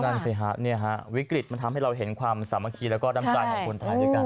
นั่นสิฮะวิกฤตมันทำให้เราเห็นความสามัคคีแล้วก็น้ำใจของคนไทยด้วยกัน